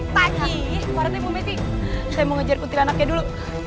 saya mau ngejar dulu